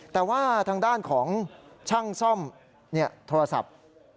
แต่ว่าทางด้านของช่างซ่อมโทรศัพท์